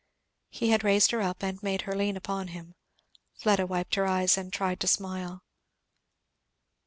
He had raised her up and made her lean upon him. Fleda wiped her eyes and tried to smile.